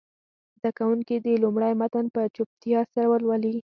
زده کوونکي دې لومړی متن په چوپتیا سره ولولي.